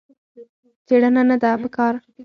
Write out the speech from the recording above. څېړنه نه ده په کار.